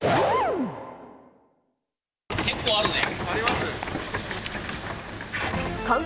結構あるね。